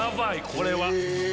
これは。